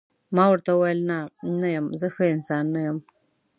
ما ورته وویل: نه، نه یم، زه ښه انسان نه یم.